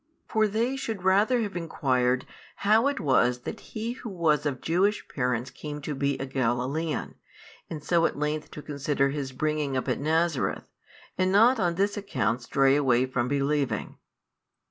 For they should rather have enquired how it was that He Who was of Jewish parents came to be a Galilaean, and so at length to consider His bringing up at Nazareth, and not on this account stray away from believing.